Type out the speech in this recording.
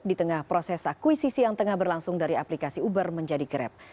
di tengah proses akuisisi yang tengah berlangsung dari aplikasi uber menjadi grab